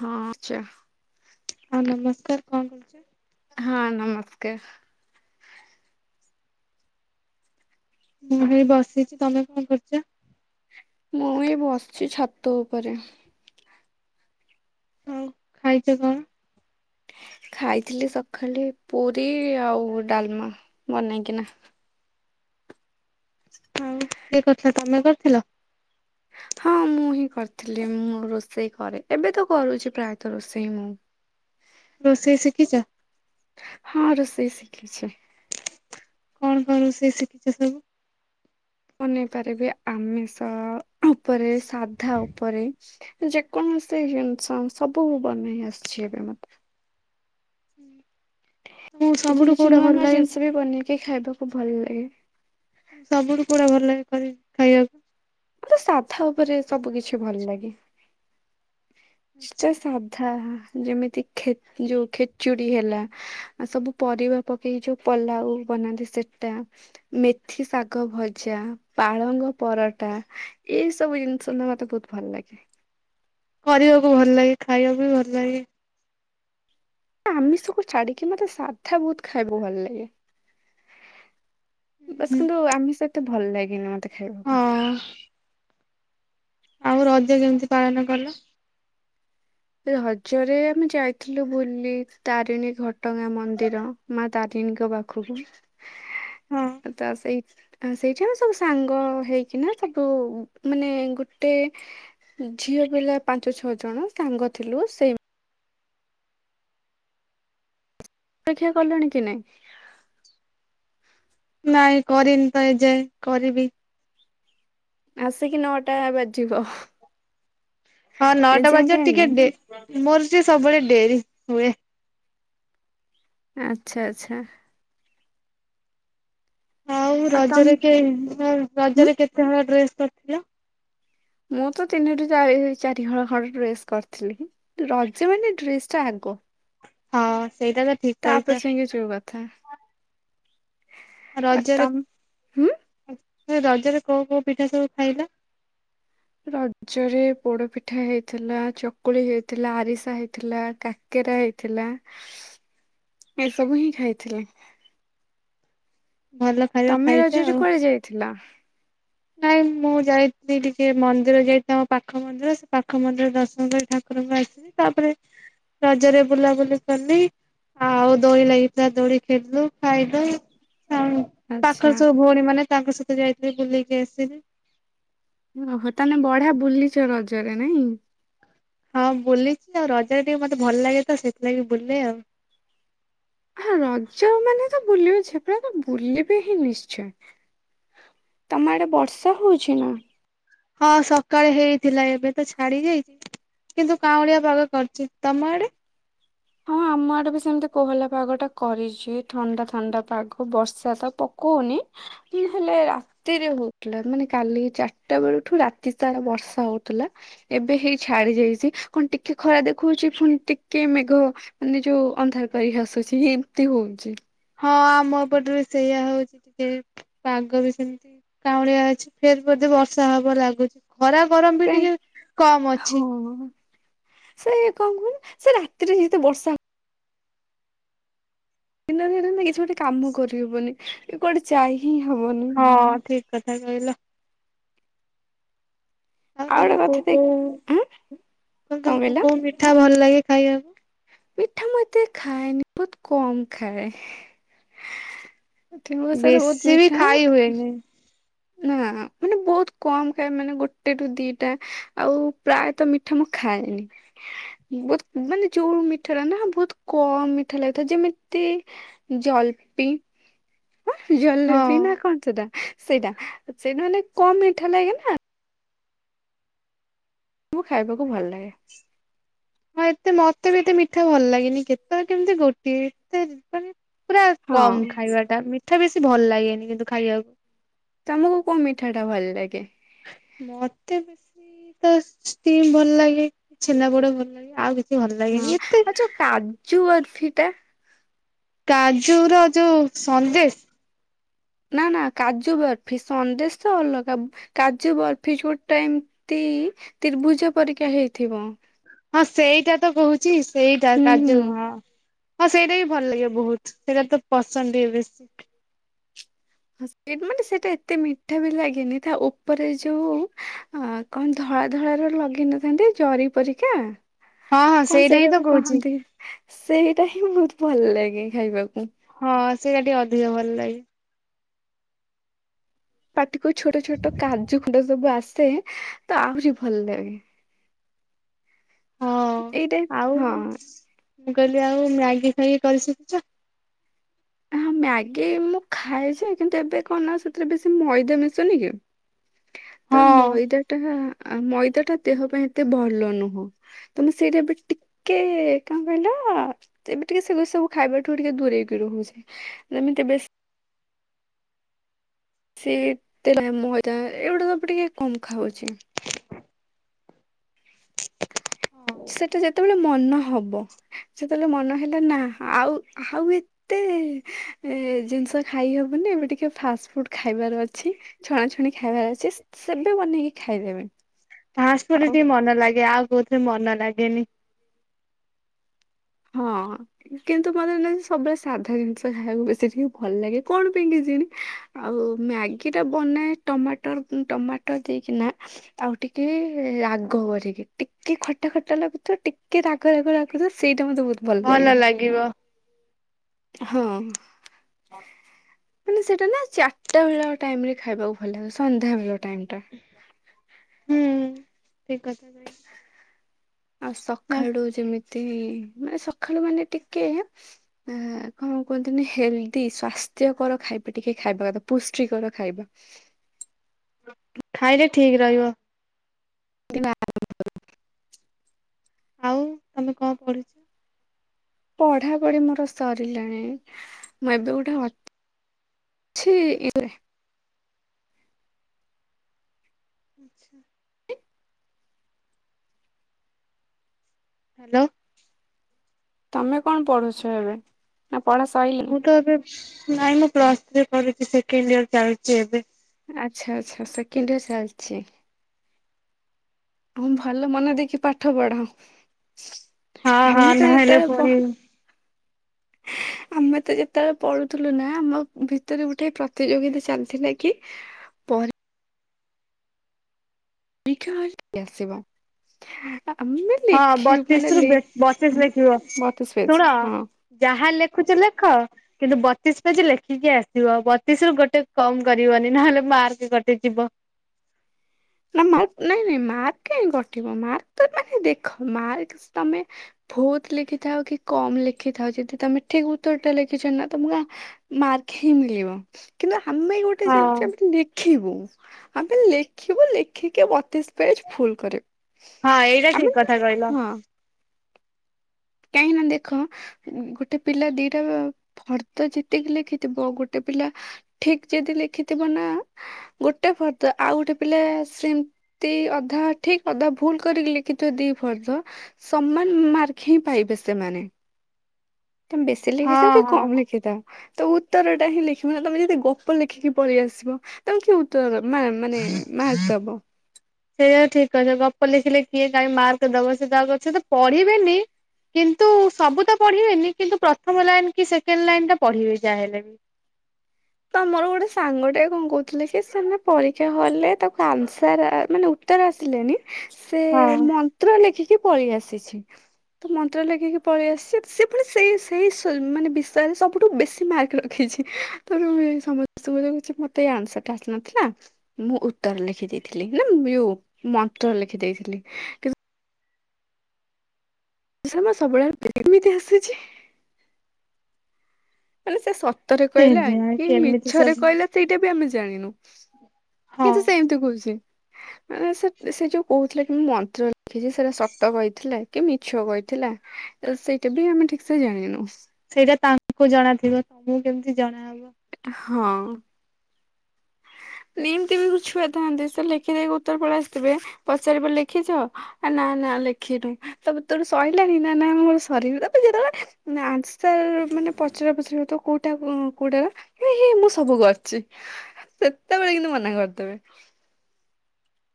ହଁ ଚା ହଁ ନମସ୍କାର କଣ କରୁଚ? ହଁ ନମସ୍କାର। ମୁଁ ହେଇ ବସିଛି ତମେ କଣ କରୁଚ? ମୁଁ ଇ ଏ ବସିଛି ଛାତ ଉପରେ। ଆଉ ଖାଇଛ କଣ? ଖାଇଥିଲି ସକାଳେ ପୁରୀ ଆଉ ଡାଲମା ବନେଇକିନା। ଆଉ କିଏ କରିଥିଲା ତମେ କରିଥିଲ? ହଁ ମୁଁ ହିଁ କରିଥିଲି ମୁଁ ରୋଷେଇ କରେ ଏବେ ତ କରୁଛି ପ୍ରାୟତଃ ରୋଷେଇ ମୁଁ। ରୋଷେଇ ଶିଖିଛ? ହଁ ରୋଷେଇ ଶିଖିଛି। କଣ କଣ ରୋଷେଇ ଶିଖିଚ ସବୁ? ବନେଇ ପାରିବି ଆମିଷ ଉପରେ ସାଧା ଉପରେ ଯେକୌଣସି ଜିନିଷ ସବୁ ବନେଇ ଆସିଛି ଏବେ ମତେ। ତମକୁ କିଛି ସବୁଠୁ କିଛି କୋଉଟା ନୂଆ ଭଲ ନୂଆ ଲାଗେ ଜିନିଷ ବି ବନେଇକି ଖାଇବାକୁ ଭଲ ଲାଗେ। ସବୁଠୁ କୋଉଟା ଭଲ ଲାଗେ କରି ଖାଇବାକୁ ମତେ ସାଧା ଉପରେ ସବୁ କିଛି ଭଲ ଲାଗେ। କି ତ ଆଛା ସାଧା ଯେମିତି ଖେ ଯୋଉ ଖେଚୁଡି ହେଲା ଆ ସବୁ ପରିବା ପକେଇକି ଯୋଉ ପଲାଉ ବନାନ୍ତି ସେଟା। ମେଥି ଶାଗ ଭଜା। ପାଳଙ୍ଗ ପରଟା ଏଇ ସବୁ ଜିନିଷ ନା ମତେ ବହୁତ ଭଲ ଲାଗେ। କରିବାକୁ ଭଲ ଲାଗେ ଖାଇବାକୁ ବି ଭଲ ଲାଗେ। ଆମିଷ କୁ ଛାଡିକି ମତେ ସାଧା ବହୁତ ଖାଇବାକୁ ଭଲ ଲାଗେ। ବାସ୍ ହୁଁ କିନ୍ତୁ ଆମିଷ ଏତେ ଭଲ ଲାଗିନି ମତେ ଖାଇବାକୁ ପାଇଁ। ଅ ଆଉ ରଜ କେମିତି ପାଳନ କଲ? ରଜରେ ଆମେ ଯାଇଥିଲୁ ବୁଲି ତାରିଣୀ ଘଟଗାଁ ମନ୍ଦିର ମା ତାରିଣୀଙ୍କ ପାଖକୁ ହଁ ତ ସେଇ ଆ ସେଇଠି ଆମ ସବୁ ସାଙ୍ଗ ହେଇକିନା ସବୁ ମାନେ ଗୋଟେ ଝିଅ ପିଲା ପାଞ୍ଚ ଛଅ ଜଣ ସାଙ୍ଗ ଥିଲୁ ସେଇ ଅପେକ୍ଷା କଲେଣି କି ନାଇଁ? ନାଇଁ କରିନି ତ ଏଯାଏଁ କରିବି। ଆସିକି ନଅଟା ବାଜିବ। ହଁ ନଅଟା ଏଯାଏଁ ବାଜିବ କାଇଁ ଟିକେ ନାଇଁ ଡେ ମୋର ଟିକେ ସବୁବେଳେ ଡେରି ହୁଏ। ଆଛା ଆଛା। ଆଉ ରଜରେ କେ ଆଉ ହୁଁ ରଜରେ କେତେ ହଳ ଡ୍ରେସ୍ କରିଥିଲା? ମୁଁ ତ ତିନିରୁୁ ଚାରି ଚାରି ହଳ ଖଣ୍ଡେ ଡ୍ରେସ୍ କରିଥିଲି। ରଜ ମାନେ ଡ୍ରେସ୍ ଟା ଆଗ। ହଁ ସେଇଟା ତ ଠିକ ତାପରେ କହିଛ ଯାଇଁକି ଯୋଉ କଥା। ଆ ଆଉ ରଜରେ ତମ ହୁଁ ରଜରେ କୋଉ କୋଉ ପିଠା ସବୁ ଖାଇଲା? ରଜରେ ପୋଡପିଠା ହେଇଥିଲା ଚକୁଳି ହେଇଥିଲା ଆରିସା ହେଇଥିଲା କାକ କେରା ହେଇଥିଲା ଏସବୁ ହିଁ ଖାଇଥିଲା। ଭଲ। ଖାଇବା ତମେ ଖାଇଛ ରଜରେ ଆଉ। କୁଆଡେ ଯାଇଥିଲ? ନାଇଁ ମୁଁ ଯାଇଥିଲି ଟିକେ ମନ୍ଦିର ଯାଇ ଆମ ପାଖ ମନ୍ଦିର ସେ ପାଖ ମନ୍ଦିର ଦର୍ଶନ କରି ଠାକୁରଙ୍କୁ ଆସିି ତାପରେ ରଜରେ ବୁଲାବୁଲି କଲି। ଆଉ ଦୋଳି ଲାଗିଥିଲା ଦୋଳି ଖେଳଲୁ ଖାଇୁଲୁ ଆଉ ଆଚ୍ଛା। ପାଖରେ ସବୁ ଭଉଣୀ ମାନେ ତାଙ୍କ ସହିତ ଯାଇଥିଲି ବୁଲିକି ଆସିଲି। ଓହୋ ତାହାଲେ ବଢିଆ ବୁଲିଚ ରଜରେ ନାଇଁ? ହଁ ବୁଲିଚି ଆଉ ରଜ ଟିକେ ମତେ ଭଲ ଲାଗେ ତ ସେଥିଲାଗି ବୁଲେ ଆଉ। ହଁ ରଜ ମାନେ ତ ବୁଲିବ ଝିଅ ପିଲା ତ ବୁଲିବେ ହିଁ ନିଶ୍ଚୟ। ତମ ଆଡେ ବର୍ଷା ହଉଚି ନା? ହଁ ସକାଳେ ହେଇଥିଲା ଏବେ ତ ଛାଡି ଯାଇଚି। କିନ୍ତୁ କାଁଉଳିଆ ପାାଗ କରିଚି ତମ ଆଡେ? ହଁ ଆମ ଆଡେ ବି ସେମତି କୋହଲା ପାଗ ଟା କରିଚି ଥଣ୍ଡା ଥଣ୍ଡା ପାଗ ବର୍ଷା ତ ପକଉନି ଇନ ହେଲେ ଆ ତି ରେ ହଉଥିଲା ମାନେ କାଲି ଚାରିଟା ବେଳଠୁ ରାତି ତାରା ବର୍ଷା ହଉଥିଲା। ଏବେ ହେଇ ଛାଡି ଯାଇଚି କଣ ଟିକେ ଖରା ଦେଖଉଚି ପୁଣି ଟିକେ ମେଘ ମାନେ ଯୋଉ ଅନ୍ଧାରକରି ହସୁଚି ଏମତି ହଉଚି। ହଁ ଆମ ପଟରେ ସେଇଆା ହଉଚି ଟିକେ ପାଗ ବି ସେମିତି କାଉଁଳିଆ ଅଛି ଫେର୍ ବୋଧେ ବର୍ଷା ହବ ଲାଗୁଛି ଖରା ଗରମ ବି ସେ ଟିକେ କମ୍ ଅଛି। ହଁ ସେ କଣ କୁହନି ସେ ରାତିରେ ଯେତେ ବର୍ଷା ଦିନ ଦିନ କିଛି ଗୋଟେ କାମ କରିହବନି କୁଆଡେ ଯାଇ ହିଁ ହବନି। ହଁ ଠିକ୍ କଥା କହିଲ। ଆଉ ଗୋଟେ ତମକୁ କଥା ଦେଖ କୋଉ ଆଁ କ କଣ କହିଲ ତମକୁ କୋଉ ମିଠା ଭଲ ଲାଗେ ଖାଇବାକୁ? ମିଠା ମୁଁ ଏତେ ଖାଇଏନି ବହୁତ କମ ଖାଏ। ଏ ବହୁତ ବେଶୀ ବି ମିଠା ନା ଖାଇ ହୁଏନି। ନା ମାନେ ବହୁତ କମ୍ ଖାଏ ମାନେ ଗୋଟେ ରୁ ଦିଟା ଆଉ ପ୍ରାୟତଃ ମିଠା ମୁଁ ଖାଏନି। ବହୁତ ମାନେ ଯୋଉ ମିଠା ର ନା ବହୁତ୍ କମ୍ ମିଠା ଲାଉଥିଅ ଯେମିତି ଜଲପି। ହଁ ହଁ ଜଲେବି ନା କଣ ସେଟା ସେଇଟା ସେଇଟା ମାନେ କମ୍ ମିଠା ଲାଗେ ନା ମ୍ ଖାଇବାକୁ ଭଲ ଲାଗେ। ହଁ ଏତେ ମତେ ବି ଏତେ ମିଠା ଭଲ ଲାଗନି କେତେଳେ କେମିତି ଗୋଟିଏ ଏତେ ପୁରା ହଁ କମ୍ ଖାଇବା ଟା ମିଠା ବେଶୀ ଭଲ ଲାଗେନି କିନ୍ତୁ ଖାଇଆ କୁ। ତମକୁ କୋଉ ମିଠା ଟା ଭଲ ଲାଗେ? ମତେ ବେଶୀ ତ ଷ୍ଟିମ୍ ଭଲ ଲାଗେ କି ଛେନାପୋଡ ଭଲ ଲାଗେ ଆଉ କି ଛି ଭଲ ଲାଗେନି ଏତେ ଚୁ ବରଫି ଟା! କାଜୁ ର ଯୋଉ ସନ୍ଦେଶ? ନା ନା କାଜୁ ବରଫି ସନ୍ଦେଶ ତ ଅଲଗା। କାଜୁ ବର୍ଫି ଛୋଟ ଏମତି ତ୍ରିଭୁଜ ପରିକା ହେଇଥିବ। ହଁ ସେଇଟା ତ କହୁଛି ସେଇଟା ହୁଁ ହୁଁ କାଜୁ ହଁ। ହଁ ସେଇଟା ବି ଭଲ ଲାଗିବ ବହୁତ ସେଇଟା ତ ପସନ୍ଦ ଭି ବେଶୀ। ହ ସେ ମାନେ ସେଟା ଏତେ ମିଠା ବି ଲାଗେନି ତା ଉପରେ ଯୋଉ ଆଁ କଣ ଧଳା ଧଳା ର ଲଗେଇ ନଥାନ୍ତି ଜରି ପରିକା ହଁ ହଁ କଣ ସେଇଟା ହିଁ ତ ସେଇଟାକୁ କହୁଛି କହନ୍ତି ସେଇଟା ହିଁ ବହୁତ ଭଲ ଲାଗେ ଖାଇବାକୁ। ହଁ ସେଇଆ ଟିକେ ଅଧିକ ଭଲ ଲାଗେ। ପାଟିକୁ ଛୋଟ ଛୋଟ କାଜୁ ଖୁଣ୍ଡ ସବୁ ଆସେ ତ ଆହୁରି ଭଲ ଲାଗେ। ହଁ ଏଇଟା ଆଉ ହଁ। ମୁଁ କହିଲି ଆଉ ମ୍ୟାଗି ଖାଇକି କରିସିକିଚ? ମ୍ୟାଗି ମୁଁ ଖାଏ ଯେ କିନ୍ତୁ ଏବେ କଣ ନା ସେଥିରେ ବେଶୀ ମଇଦା ମିଶୁନି କି? ତ ହଁ ମଇଦାଟା ଆମ୍ ମଇଦାଟା ଦେହ ପାଇଁ ଏତେ ଭଲ ନୁହଁ। ତ ମୁଁ ସେଇଟା ଏବେ ଟିକେ କଣ କହିଲ? ତ ଏବେ ଟିକେ ସେ ସବୁ ଖାଇବା ଠୁ ଟିକେ ଦୂରେଇକି ରହୁଛି ଯେମିତି ବ ସେ ମଇଦା ଏଇଗୁଡା ସବୁ ଟିକେ କମ୍ ଖାଉଛି ସେଟା ଯେତେବେଳେ ମନ ହବ ସେତେବେଳେ ମନ ହେଲା ନା ଆଉ ଆଉ ଏତେ ଏ ଜିନିଷ ଖାଇ ହବନି ଏବେ ଟିକେ ଫାଷ୍ଟ ଫୁଡ ଖାଇବାର ଅଛି ଛଣା ଛୁଣି ଖାଇବାର ଅଛି ସେବେ ବନେଇକି ଖାଇଦେବେ। ହାସ ପ ଆଉ ଟିକ ମନ ଲାଗେ ଆଉ କୋଉଥିରେ ମନ ଲାଗେନି। ହଁ କିନ୍ତୁ ମନେ ସବୁବେଳେ ସାଧା ଜିନିଷ ଖାଇବାକୁ ବେଶୀ ଟିକେ ଭଲ ଲାଗେ କଣ ପାଇଁ କେଜାଣି। ଆଉ ମ୍ୟାଗି ଟା ବନାଏ ଟମାଟର ଟମାଟର ଦେଇକିନା। ଆଉ ଟିକେ ରାଗ କରିକି ଟିକେ ଖଟା ଖଟା ଲାଗୁଥିବ ଟିକେ ରାଗ ରାଗ ଲାଗୁଥ ସେଇଟ ମୋ ବ ଭଲ ଲାଗିବ। ହଁ। ହଁ। [inaudible] କିନ୍ତୁ ସେଇଟା ନା ଚାରିଟା ବେଳ ଟାଇମ ରେ ଖାଇବାକୁ ଭଲ ଲାଗ ସନ୍ଧ୍ୟାବେେଳ ଟାଇମ୍ ଟା ହୁଁ, ଠିକ୍ କଥା କହିଛ। ଆଉ ସଖାଳୁ ଯେମିତି ମାନେ ସକାଳୁ ମାନେ ଟିକେ ଆ କଣ କୁହନ୍ତିନି ହେଲ୍ଦି ସ୍ଵାସ୍ଥ୍ୟକର ଖାଇବା ଟିକେ ଖାଇବା କଥା। ପୁଷ୍ଟିକର ଖାଇବା ଖାଇଲେ ଠିକ୍ ରହିବ। ଦେହ [unintelligible] ଆଉ ତମେ କଣ ପଢିଛ? ପଢା ପଢି ମୋର ସରିଲାଣି ମୁଁ ଏବେ ଗୋଟେ ଅ ଛି ଏଗୁ [unintelligible] ଆଚ୍ଛା [inaudible] ହାଲୋ ତମେ କଣ ପଢୁଛ ଏବେ ନା ପଢା ସ ମୁଁ ତ ଏବେ ନାଇଁ ମୁଁ ପ୍ଲସ ଥ୍ରୀ କରଛି ସେକେଣ୍ଡ ଇୟର ଚାଲିଛି ଏବେ। ଆଚ୍ଛା, ଆଚ୍ଛା ସେକେଣ୍ଡ ଇୟର ଚାଲିଛି। ହଁ ଭଲ ମନେ ଦେଇକି ପାଠ ପଢା ହଁ ହଁ ଆମେ ତ ନହେଲେ ଯେତେବେଳେ ପୁଣି ପ ଆମେ ତ ଯେତେବେଳେ ପଢୁଥିଲୁ ନା ଆମ ଭିତରେ ଗୋଟେ ପ୍ରତିଯୋଗିତା ଚାଲିଥିଲା କି ପରି [unintelligible] ପରୀକ୍ଷା ଆସିବ ଆମେ [unintelligible] ହଁ ମାନେ ବତିଶ ରୁ ଲେ ବେ -ବତିଶ ଲେଖିବ ମତେ ସ୍ପେସ୍ ଶୁଣ ହଁ। ଯାହା ଲେଖୁଛ ଲେଖ। କିନ୍ତୁ ବତିଶ୍ ପେଜ୍ ଲେଖିକି ଆସିବ ବତିଶ ରୁ ଗୋଟେ କମ କରିବନି ନହେଲେ ମାର୍କ କଟିଯିବ। ନା ମ ନାଇଁ ନାଇଁ ମାର୍କ କାହିଁ କଟିବ ମାର୍କ ତ ମାନେ ଦେଖ ମାର୍କ ତମେ ବହୁତ ଲେଖିଥାଉ କି କମ ଲେଖିଥାଉ ଯଦି ତମେ ଠିକ ଉତ୍ତର ଟା ଲେଖିଛ ନା ତମକୁ ମାର୍କ ହିଁ ମିଳିବ। କିନ୍ତୁ ଆମେ ଗୋଟେ ହଁ ଚାହୁଁଛୁ ଆମେ ଲେଖିବୁ ଆମେ ଲେଖିବୁ ଲେଖିକି ବତିଷ୍ ପେଜ ଫୁଲ କରିବୁ, ହଁ ଏଇଟା ଠିକ ଆମେ ତ କଥା କହିଲ ହଁ। କାହିଁକା ନା ଦେଖ ଗୋଟେ ପିଲା ଦିଟା ଫର୍ଦ ଜେତିକି ଲଖିଥିବ ଗୋଟେ ପିଲା ଠିକ୍ ଯଦି ଲେଖିଥିବ ନା ଗୋଟେ ଫର୍ଦ ଆଉ ଗୋଟେ ପିଲା ସେମ୍ ନ୍ତି ଅଧା ଠିକ୍ ଅଧା ଭୁଲ କରିକି ଲେଖିଥିବ ଦି ଫର୍ଦ ସମାନ ମାର୍କ ହିଁ ପାଇବେ ସେମାନେ। ତମେ ବେଶୀ ହଁ ଲେଖିଥା କି ହଁ। କମ୍ ଲେଖିଥା ତ ଉତ୍ତର ଟା ହିଁ ଲେଖିବ ନା ତମେ ଯଦି ଗପ ଲେଖିକି ପଳେଇ ଆସିବ ତମେ କାହିଁ ଉତ୍ତର ମା - ମାନେ ମାର୍କ ଦବ। ସେଇାୟା ଠିକ୍ କହିଛ ଗପ ଲେଖିଲେ କିଏ କାହିଁ ମାର୍କ ଦବ ସେ ତ ଆଉ ଅଛ ତ ପଢିବେନି [unintelligible] କିନ୍ତୁ ସବୁ ତ ପଢିବେନି କିନ୍ତୁ ପ୍ରଥମ ଲାଇନ୍ କି ସେକେଣ୍ଡ ଲାଇନ୍ ଟା ପଢିବେ ଯାହାହଲେବି। ତମର ଗୋଟେ ସାଙ୍ଗଟେ କଣ କହୁଥିଲେ ସେ ସେମାନେ ପରୀକ୍ଷା ହଲରେ ତାକୁ ଆନ୍ସର ମାନେ ଉ ଉତର ଆସିଲାନି ସେ ମନ୍ତ୍ର ଲେଖିକି ପଳେଇ ଆସିଛି। ତ ମନ୍ତ୍ର ଲେଖିକି ପଳେଇ ଆସିଛି, ସେ ପୁଣି ସେଇ ସେଇ ସ ମାନେ ବିଷୟରେ ସବୁଠୁ ବେଶି ମାର୍କ ରଖି ରଖିଛି ତ ସମସ୍ତଛି ମତେ ଏଇ ଆନ୍ସର ଟା ଆସିନଥିଲା [unintelligible] ମୁଁ ଉତ୍ତର ଲେଖି ଦେଇଥିଲି ନା ୟଉ ମନ୍ତ୍ର ଲେଖି ଦେଇଥିଲି କିନ୍ତୁ ସ ସବୁବେଳେ ଏମିତି ହସିଛି [unintelligible] ମାନେ ସେ ସତରେ କହିଲା କେଜାଣି କି କେମିତି ମିଛରେ ସବୁ କହିଲା ସେଇଟା ବି ଆମେ ଜାଣିନୁ। ହଁ କିନ୍ତୁ ସେ ସେମିତି କହୁଚି। ମାନେ ସେ ସେ ଯୋଉ କହୁଥିଲା କି ମୁଁ ମନ୍ତ୍ର ଲେଖିଛି ସେଟା ସତ କହିଥିଲା କି ମିଛ କହିଥିଲା ତ ସେଇଟା ବି ଆମେ ଠିକ ସେ ଜାଣିନୁ। ସେଇଟା ତାଙ୍କୁ ଜଣା ଥିବ, ତମକୁ କେମିତି ଜଣାହବ। ହଁ। ଏମିତି ବି ଛୁଆ ଥାନ୍ତି ସେ ଲେଖିଦଇକି ଉତ୍ତର ପଳେଇ ଆସିଥିବେ ପଚାରିବ ଲେଖିଚ ଆ ନା ନା ଲେଖିନୁ। ତ ତୋର ସରିଲାଣି ନା ନା ମୁ ସରିବି ତା ଯେତେବେଳେ ଆଜି ତ ମାନେ ପଚରା ପଚରି ହୋଉଥିବା କୋଉଠି ଏଟା କୋଉଁ କୋଉଟାର ଏ ହେ ମୁଁ ସବୁ କରିଚି ସେତେବେଳେ କିନ୍ତୁ ମନା କରିଦେବେ।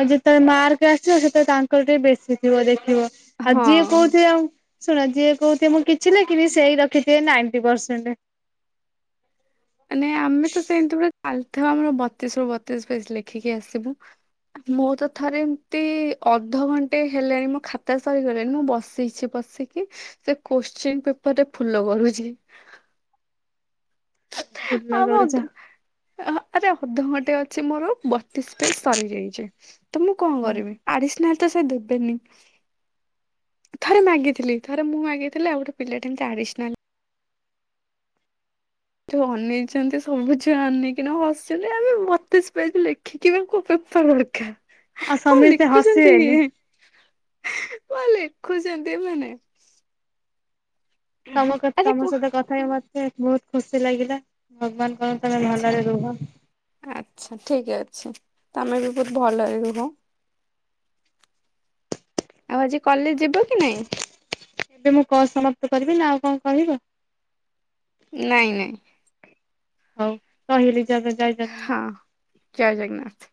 ଆଉ ଯେତେବେଳେ ମାର୍କ ଆସିବ ସେତେବେଳେ ତାଙ୍କର ଟିକେ ବେଶୀ ଥିବ ଦେଖିବ। ଆଉ ହଁ। ଯିଏ କହୁଥିବେ ଆଉ ଶୁଣ ଯିଏ କହୁଥିବେ ମୁଁ କିଛି ଲେଖିନି ସେଇ ରଖିଥିବେ ନାଇଣ୍ଟି ପରସେଣ୍ଟ। ମାନେ ଆମେ ତ ସେମିତି ପରା ଚାଲିଥିବ ଆମର ବତିଶରୁ ବତିଶ ପେଜ୍ ଲେଖିକି ଆସିବୁ। ମୁଁ ତ ଥରେ ଏମିତି ଅଧଘଣ୍ଟେ ହେଲାଣି ମୋ ଖାତା ସରିଗଲାଣି ମୁଁ ବସିଚି ବସିକି ସେ କୋଶ୍ଚିନ୍ ପେପରେ ଫୁଲ କରୁଚି। ଫୁଲ ଆଉ କରୁଛ ଅଦ, ଆରେ ଅଧଘଣ୍ଟେ ଅଛି ମୋର ଡିସ୍ ପେସ ସରିଯାଇଚି ତ ମୁଁ କଣ ହଁ କରିବି ଆଡିଶ୍ନାଲ ତ ସେ ଦେବେନି। ଥରେ ମାଗିଥିଲି ଥରେ ମୁଁ ମାଗିଥିଲି ଆଉ ଗୋଟେ ପିଲାଟେ ଏମିତି ଆଡି୍ଶ୍ନାଲ ଯୋଉ ଅନେଇଚନ୍ତି ସବୁ ଛୁଆ ଅନେଇକିନା ହସିଲେ ଆବେ ବତିଶ ପେଜ ଲେ ଲଖିକିବା କୁ ପେପର ର ଲେଖା, ଆଉ କଣ ସମସ୍ତେ ଲେଖୁଚନ୍ତି ହସିବେନି। ଇଏ। କଣ ଲେଖୁଚନ୍ତି ଏମାନେ? ତମ କତ ଆରେ ତମ କ ସହିତ କଥା ହ ମତେ ବହୁତ ଖୁସି ଲାଗିଲା। ଭଗବାନ କରନ୍ତୂ ତମେ ଭଲରେ ରୁହ। ଆଛା ଠିକ୍ ଅଛି। ତମେ ବି ବହୁତ ଭଲରେ ରୁହ। ଆଉ ଆଜି କଲେଜ ଯିବ କି ନାଇଁ? ଏବେ ମୁଁ କଲ୍ ସମାପ୍ତ କରିବି ନା ଆଉ କଣ କହିବ? ନାଇଁ ନାଇଁ। ହଉ ରହିଲି ଜ ହଁ ଜୟ ଜଗନ୍ନାଥ।